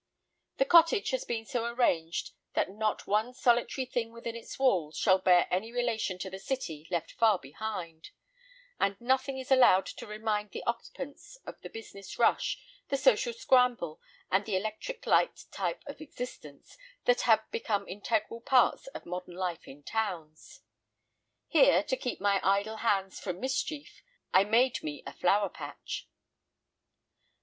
The cottage has been so arranged that not one solitary thing within its walls shall bear any relation to the city left far behind; and nothing is allowed to remind the occupants of the business rush, the social scramble, and the electric light type of existence that have become integral parts of modern life in towns. Here, to keep my idle hands from mischief, I made me a Flower patch.